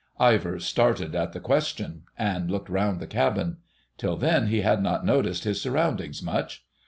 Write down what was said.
Ivor started at the question and looked round the cabin. Till then he had not noticed his surroundings much.